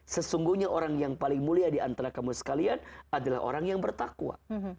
sesungguhnya orang yang paling mulia diantara kamu sekalian adalah orang yang bertakwa